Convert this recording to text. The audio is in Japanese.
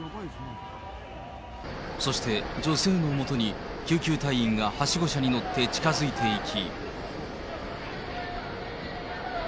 そして、女性のもとに救急隊員がはしご車に乗って近づいていき。